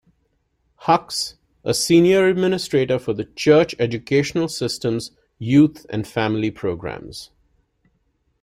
Hucks, a senior administrator for the Church Educational System's Youth and Family Programs.